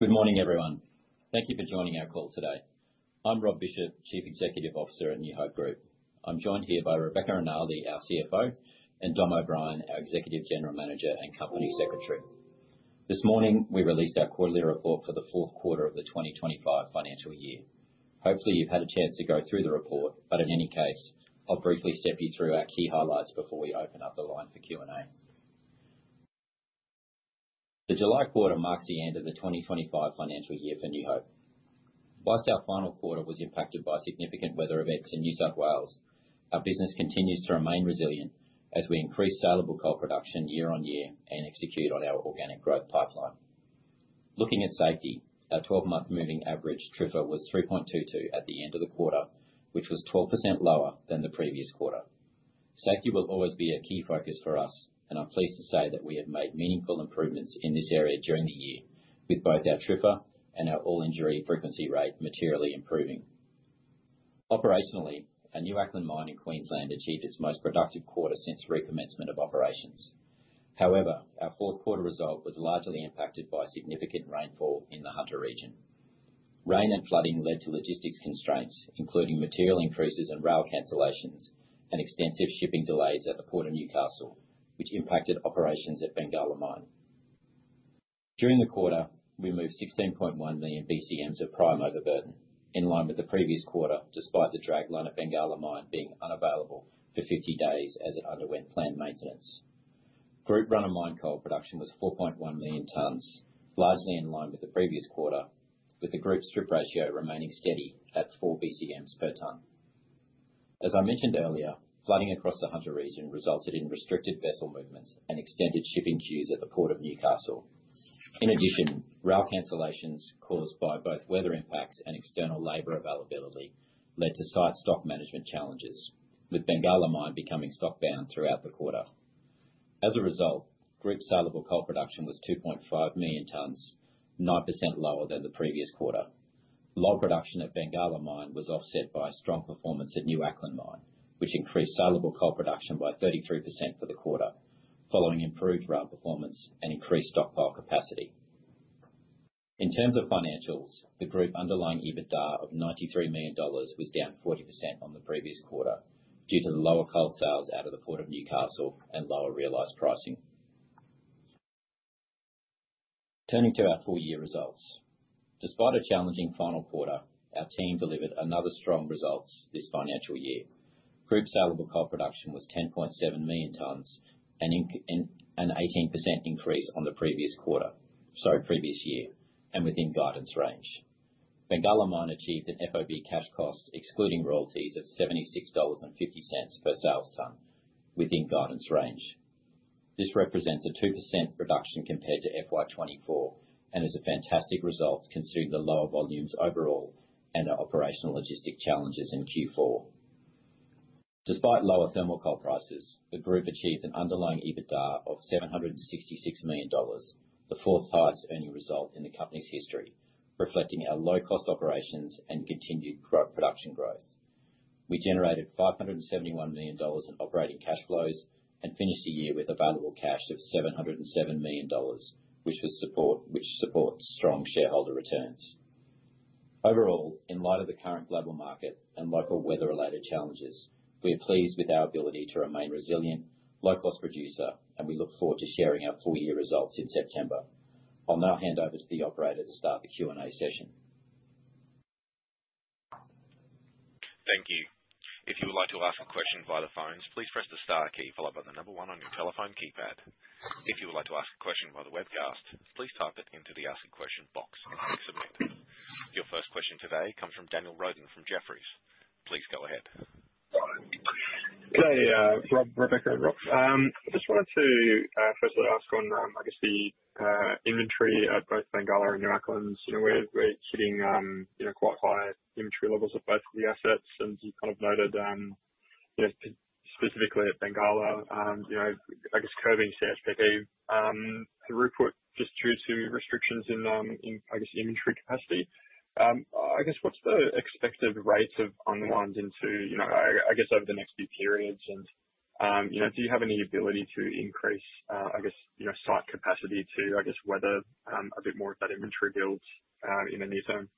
Good morning, everyone. Thank you for joining our call today. I'm Rob Bishop, Chief Executive Officer at New Hope Group. I'm joined here by Rebecca Rinaldi, our Chief Financial Officer, and Dominic O'Brien, our Executive General Manager and Company Secretary. This morning, we released our quarterly report for the fourth quarter of the 2025 financial year. Hopefully, you've had a chance to go through the report, but in any case, I'll briefly step you through our key highlights before we open up the line for Q&A. The July quarter marks the end of the 2025 financial year for New Hope. Whilst our final quarter was impacted by significant weather events in New South Wales, our business continues to remain resilient as we increase saleable coal production year-on-year and execute on our organic growth pipeline. Looking at safety, our 12-month moving average TRIFR was 3.22 at the end of the quarter, which was 12% lower than the previous quarter. Safety will always be a key focus for us, and I'm pleased to say that we have made meaningful improvements in this area during the year, with both our TRIFA and our all-injury frequency rate materially improving. Operationally, our New Acland Mine in Queensland achieved its most productive quarter since recommencement of operations. However, our fourth quarter result was largely impacted by significant rainfall in the Hunter region. Rain and flooding led to logistics constraints, including material increases in rail cancellations and extensive shipping delays at the Port of Newcastle, which impacted operations at Bengalla Mine. During the quarter, we moved 16.1 million BCMs of prime overburden, in line with the previous quarter, despite the dragline at Bengalla Mine being unavailable for 50 days as it underwent planned maintenance. Group run-of-mine coal production was 4.1 million tonnes, largely in line with the previous quarter, with the group strip ratio remaining steady at 4 BCMs per tonne. As I mentioned earlier, flooding across the Hunter region resulted in restricted vessel movements and extended shipping queues at the Port of Newcastle. In addition, rail cancellations caused by both weather impacts and external labor availability led to site stock management challenges, with Bengalla Mine becoming stock-bound throughout the quarter. As a result, group saleable coal production was 2.5 million tonnes, 9% lower than the previous quarter. Low production at Bengalla Mine was offset by strong performance at New Acland Mine, which increased saleable coal production by 33% for the quarter, following improved rail performance and increased stockpile capacity. In terms of financials, the group underlying EBITDA of 93 million dollars was down 40% on the previous quarter due to the lower coal sales out of the Port of Newcastle and lower realized pricing. Turning to our full-year results, despite a challenging final quarter, our team delivered another strong result this financial year. Group saleable coal production was 10.7 million tonnes, an 18% increase on the previous year, and within guidance range. Bengalla Mine achieved an FOB cash cost, excluding royalties, of 76.50 per sales tonne, within guidance range. This represents a 2% reduction compared to FY 2024 and is a fantastic result, considering the lower volumes overall and our operational logistics challenges in Q4. Despite lower thermal coal prices, the group achieved an underlying EBITDA of 766 million dollars, the fourth highest earning result in the company's history, reflecting our low-cost operations and continued production growth. We generated 571 million dollars in operating cash flows and finished the year with available cash of 707 million dollars, which supports strong shareholder returns. Overall, in light of the current global market and local weather-related challenges, we are pleased with our ability to remain resilient, low-cost producer, and we look forward to sharing our full-year results in September. I'll now hand over to the operator to start the Q&A session. Thank you. If you would like to ask a question via the phones, please press the star key followed by the number one on your telephone keypad. If you would like to ask a question via the webcast, please type it into the ask a question box and click submit. Your first question today comes from Daniel Roden from Jefferies. Please go ahead. Hi, Rob, Rebecca [Rob] I just wanted to quickly ask on, I guess, the inventory at both Bengalla and New Acland. You know, we're hitting quite high inventory levels at both of the assets, and you've kind of noted, you know, specifically at Bengalla, you know, I guess, curbing CSPP. The report just hints to restrictions in, I guess, inventory capacity. I guess, what's the expected rate of unwind into, you know, I guess, over the next few periods? You know, do you have any ability to increase, I guess, you know, site capacity to, I guess, whether a bit more of that inventory build in the near term?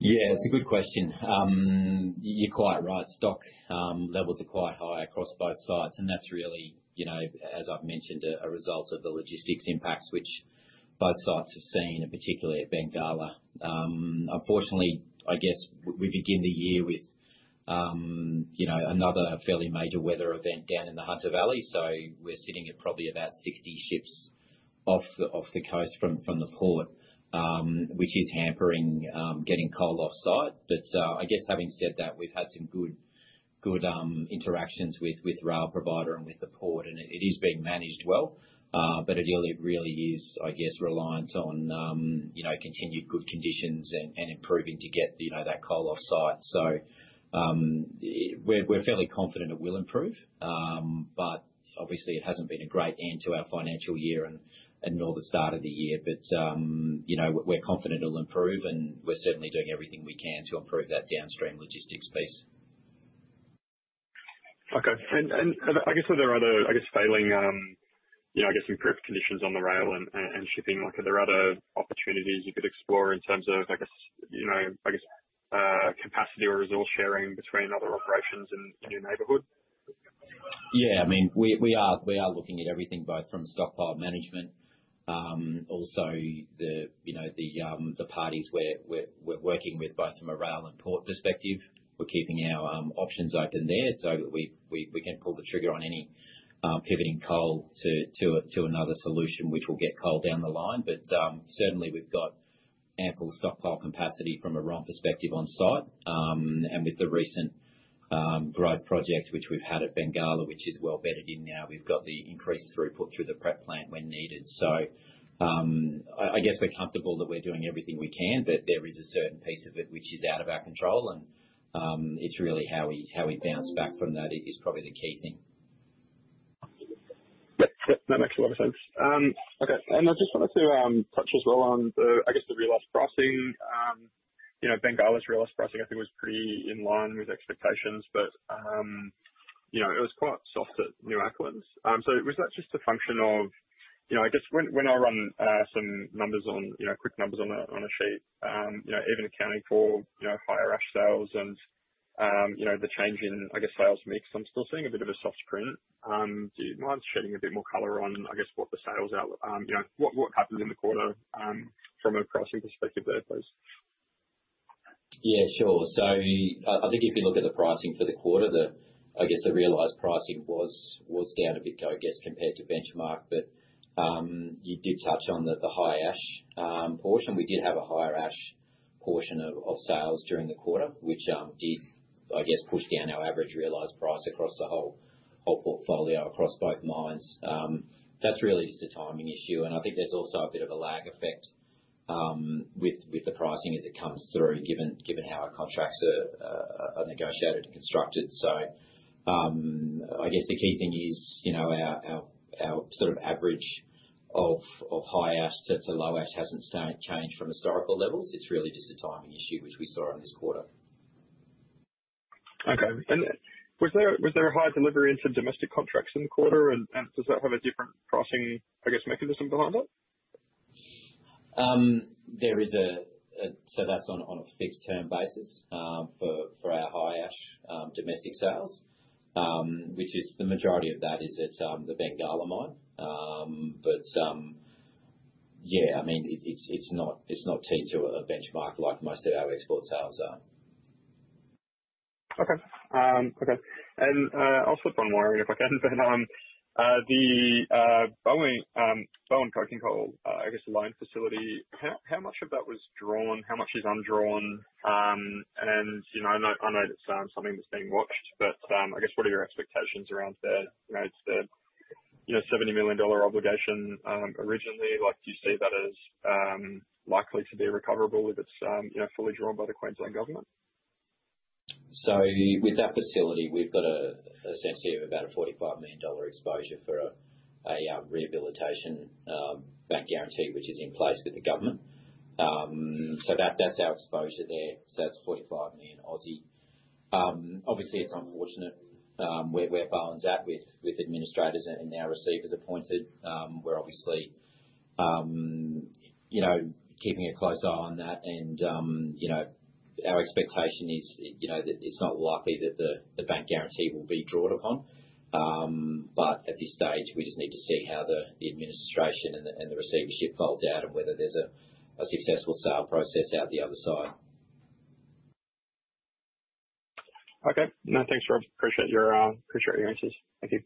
Yeah, it's a good question. You're quite right. Stock levels are quite high across both sites, and that's really, you know, as I've mentioned, a result of the logistics impacts which both sites have seen, particularly at Bengalla. Unfortunately, we begin the year with another fairly major weather event down in the Hunter Valley. We're sitting at probably about 60 ships off the coast from the port, which is hampering getting coal offsite. I guess having said that, we've had some good interactions with the rail provider and with the port, and it is being managed well. It really is reliant on continued good conditions and improving to get that coal offsite. We're fairly confident it will improve. Obviously, it hasn't been a great end to our financial year nor the start of the year. We're confident it'll improve, and we're certainly doing everything we can to improve that downstream logistics piece. Okay. Are there other, failing improved conditions on the rail and shipping, are there other opportunities you could explore in terms of capacity or resource sharing between other operations in New Maine? Yeah, I mean, we are looking at everything, both from stockpile management, also the, you know, the parties we're working with, both from a rail and port perspective. We're keeping our options open there so that we can pull the trigger on any pivoting coal to another solution which will get coal down the line. Certainly, we've got ample stockpile capacity from a run perspective on site. With the recent growth project which we've had at Bengalla, which is well bedded in now, we've got the increased throughput through the prep plant when needed. I guess we're comfortable that we're doing everything we can, but there is a certain piece of it which is out of our control, and it's really how we bounce back from that is probably the key thing. That makes a lot of sense. Okay. I just wanted to touch as well on the, I guess, the realized pricing. You know, Bengalla's realized pricing, I think, was pretty in line with expectations, but it was quite soft at New Acland. Was that just a function of, you know, I guess, when I run some numbers on, you know, quick numbers on a sheet, even accounting for, you know, higher ash sales and the change in, I guess, sales mix, I'm still seeing a bit of a soft print. Do you mind shedding a bit more color on what the sales are, you know, what happened in the quarter from a pricing perspective there, please? Yeah, sure. I think if you look at the pricing for the quarter, the realized pricing was down a bit compared to benchmark. You did touch on the high ash portion. We did have a higher ash portion of sales during the quarter, which did push down our average realized price across the whole portfolio across both mines. That's really just a timing issue. I think there's also a bit of a lag effect with the pricing as it comes through, given how our contracts are negotiated and constructed. The key thing is, our sort of average of high ash to low ash hasn't changed from historical levels. It's really just a timing issue, which we saw in this quarter. Was there a higher delivery into domestic contracts in the quarter? Does that have a different pricing, I guess, mechanism behind that? That's on a fixed-term basis for our high ash domestic sales, which is the majority of that at the Bengalla Mine. Yeah, I mean, it's not tied to a benchmark like most of our export sales are. Okay. Okay. I'll slip one more in if I can. The Bowen Coking Coal, I guess, the line facility, how much of that was drawn? How much is undrawn? I know that's something that's being watched, but I guess what are your expectations around their 70 million dollar obligation originally? Do you see that as likely to be recoverable if it's fully drawn by the Queensland government? With that facility, we've got a sense here of about 45 million dollar exposure for a rehabilitation bank guarantee, which is in place with the government. That's our exposure there. That's 45 million. Obviously, it's unfortunate where Bowen's at with administrators and receivers appointed. We're obviously keeping a close eye on that. Our expectation is that it's not likely that the bank guarantee will be drawn upon. At this stage, we just need to see how the administration and the receivership folds out and whether there's a successful sale process out the other side. Okay. No, thanks, Rob. Appreciate your answers. Thank you.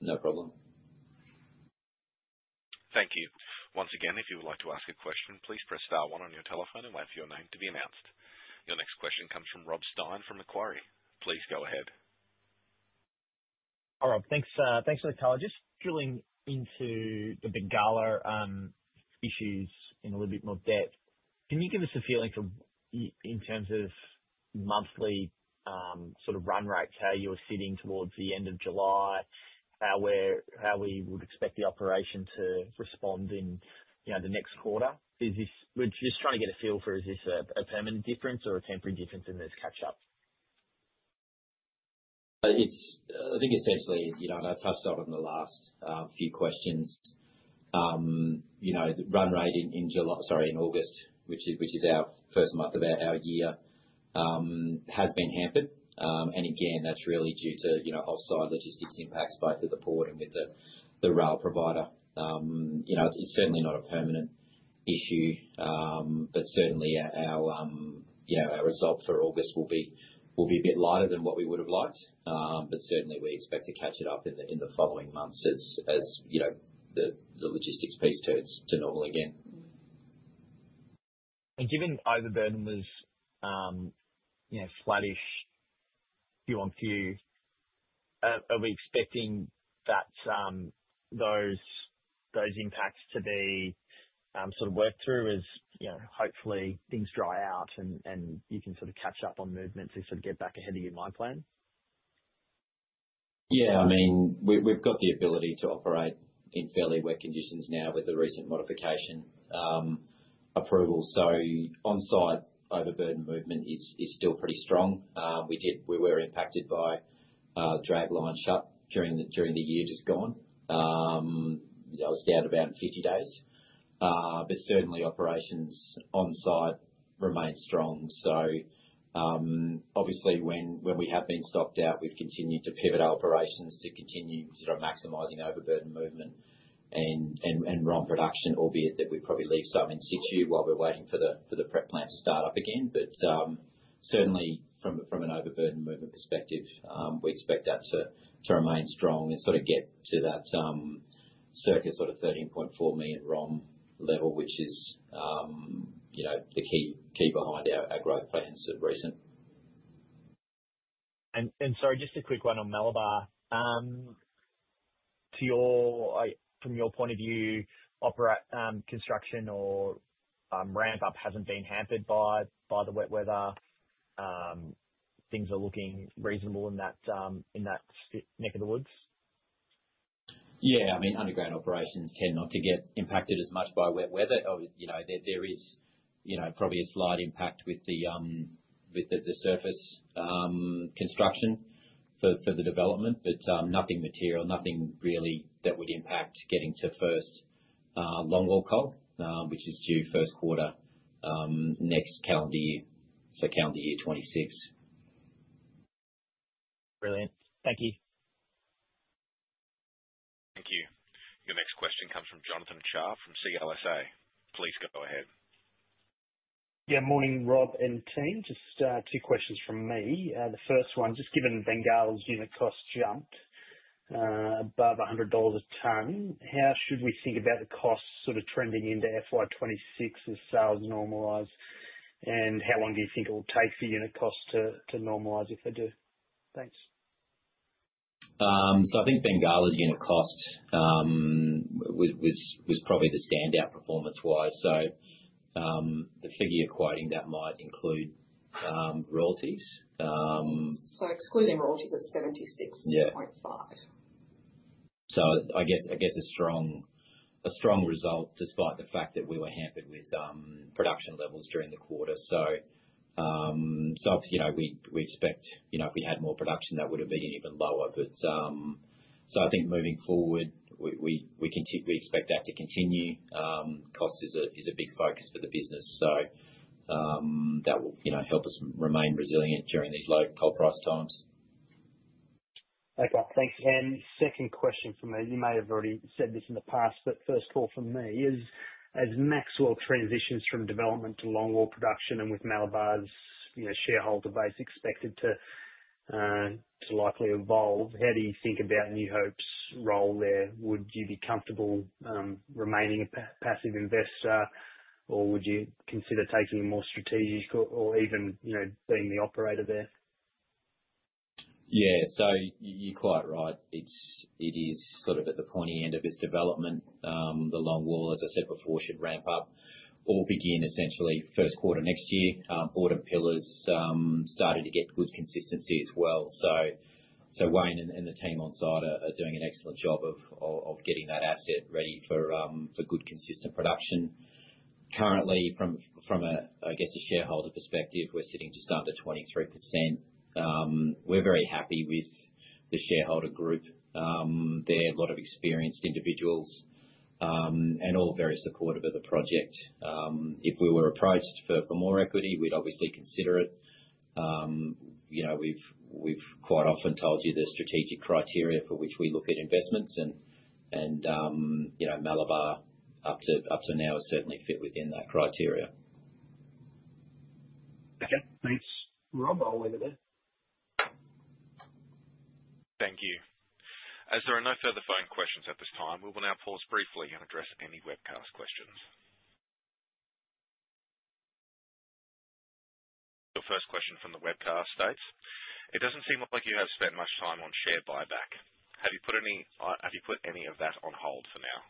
No problem. Thank you. Once again, if you would like to ask a question, please press star one on your telephone and wait for your name to be announced. Your next question comes from Rob Stein from Macquarie. Please go ahead. Hi, Rob. Thanks for the call. Just drilling into the Bengalla issues in a little bit more depth. Can you give us a feeling for in terms of monthly sort of run rates, how you're sitting towards the end of July, how we would expect the operation to respond in the next quarter? We're just trying to get a feel for is this a permanent difference or a temporary difference and there's catch-up? I think essentially, you know, and I touched on it in the last few questions. The run rate in July, sorry, in August, which is our first month of our year, has been hampered. That's really due to offsite logistics impacts both at the port and with the rail provider. It's certainly not a permanent issue. Our results for August will be a bit lighter than what we would have liked. We expect to catch it up in the following months as the logistics piece turns to normal again. Given either then there's flattish Q1 for you, are we expecting that those impacts to be sort of worked through as, hopefully, things dry out and you can sort of catch up on movement to sort of get back ahead of your mine plan? Yeah, I mean, we've got the ability to operate in fairly wet conditions now with the recent modification approval. On-site overburden movement is still pretty strong. We were impacted by dragline shut during the year just gone. That was down to about 50 days. Operations on-site remain strong. Obviously, when we have been stopped out, we've continued to pivot our operations to continue maximizing overburden movement and run production, albeit that we probably leave some in situ while we're waiting for the prep plant to start up again. From an overburden movement perspective, we expect that to remain strong and sort of get to that circa sort of 13.4 million ROM level, which is the key behind our growth plans of recent. Sorry, just a quick one on Malabar. From your point of view, construction or ramp-up hasn't been hampered by the wet weather. Things are looking reasonable in that neck of the woods? Yeah, I mean, underground operations tend not to get impacted as much by wet weather. There is probably a slight impact with the surface construction for the development, but nothing material, nothing really that would impact getting to first longwall coal, which is due first quarter next calendar year. So calendar year 2026. Brilliant. Thank you. Thank you. Your next question comes from Jonathan Sharp from CLSA. Please go ahead. Yeah, morning, Rob and team. Just two questions from me. The first one, just given Bengalla's unit costs jumped above 100 dollars a tonne, how should we think about the costs sort of trending into FY 2026 as sales normalize? How long do you think it will take for unit costs to normalize if they do? Thanks. I think Bengalla's unit cost was probably the standout performance-wise. The figure you're quoting, that might include royalties. Excluding royalties at 76.5 million. I guess a strong result despite the fact that we were hampered with production levels during the quarter. We expect if we had more production, that would have been even lower. I think moving forward, we can expect that to continue. Cost is a big focus for the business. That will help us remain resilient during these low coal price times. Okay, thanks again. Second question from me. You may have already said this in the past, but first thought from me is, as Maxwell transitions from development to longwall production and with Malabar's, you know, shareholder base expected to likely evolve, how do you think about New Hope's role there? Would you be comfortable remaining a passive investor, or would you consider taking a more strategic or even, you know, being the operator there? Yeah, you're quite right. It is sort of at the pointy end of its development. The longwall, as I said before, should ramp up or begin essentially first quarter next year. Bord and pillars started to get good consistency as well. Wayne and the team on site are doing an excellent job of getting that asset ready for good consistent production. Currently, from a, I guess, a shareholder perspective, we're sitting just under 23%. We're very happy with the shareholder group. They're a lot of experienced individuals and all very supportive of the project. If we were approached for more equity, we'd obviously consider it. We've quite often told you there's strategic criteria for which we look at investments. Malabar up to now has certainly fit within that criteria. Okay, thanks, Rob. I'll leave it there. Thank you. As there are no further phone questions at this time, we will now pause briefly and address any webcast questions. Your first question from the webcast states, "It doesn't seem like you have spent much time on share buyback. Have you put any of that on hold for now?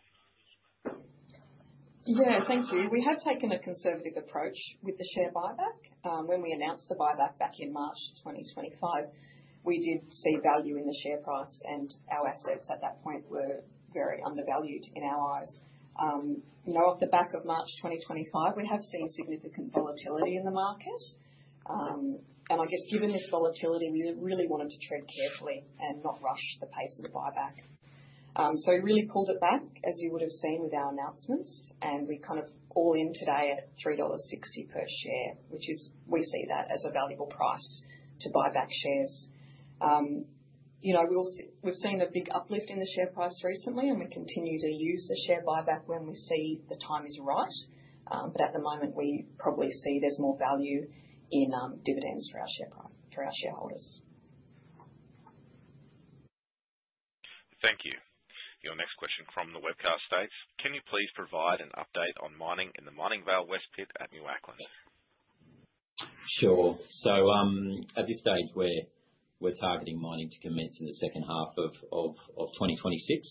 Thank you. We have taken a conservative approach with the share buyback. When we announced the buyback back in March of 2025, we did see value in the share price, and our assets at that point were very undervalued in our eyes. Off the back of March 2025, we have seen significant volatility in the market. I guess given this volatility, we really wanted to tread carefully and not rush the pace of the buyback. We really pulled it back, as you would have seen with our announcements, and we are kind of all in today at 3.60 dollars per share, which is, we see that as a valuable price to buy back shares. We've seen a big uplift in the share price recently, and we continue to use the share buyback when we see the time is right. At the moment, we probably see there's more value in dividends for our shareholders. Thank you. Your next question from the webcast states, "Can you please provide an update on mining in the Manning Vale West Pit at New Acland? At this stage, we're targeting mining to commence in the second half of 2026.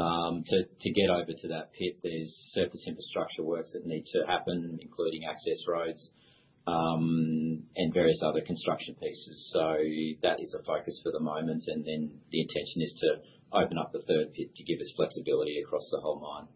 To get over to that pit, there's surface infrastructure work that needs to happen, including access roads and various other construction pieces. That is a focus for the moment. The intention is to open up the third pit to give us flexibility across the whole mine.